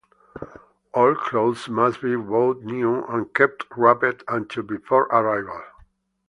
All clothes must be bought new, and kept wrapped until before arrival.